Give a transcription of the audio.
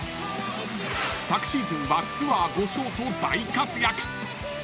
［昨シーズンはツアー５勝と大活躍］